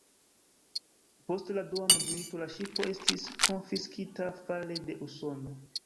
Post la Dua Mondmilito la ŝipo estis konfiskita fare de Usono.